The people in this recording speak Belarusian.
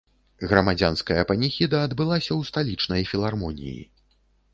Грамадзянская паніхіда адбылася ў сталічнай філармоніі.